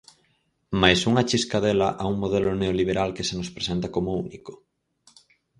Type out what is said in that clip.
Máis unha chiscadela a un modelo neoliberal que se nos presenta como único?